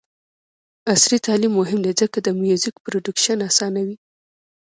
عصري تعلیم مهم دی ځکه چې د میوزیک پروډکشن اسانوي.